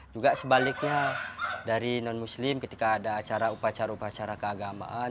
juga sebaliknya dari non muslim ketika ada upacara upacara keagamaan